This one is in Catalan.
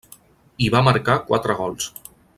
Hi va marcar quatre gols.